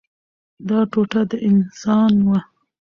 دا ټوټه د انسان وه.